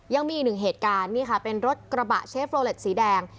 ยังมีอีกหนึ่งเหตุการณ์นี่ค่ะเป็นรถกระบะเชฟโลเล็ตสีแดง